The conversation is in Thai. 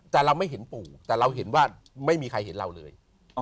แต่เราไม่เห็นปู่แต่เราเห็นว่าไม่มีใครเห็นเราเลย